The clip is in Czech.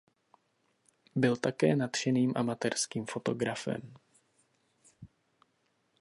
Byl také nadšeným amatérským fotografem.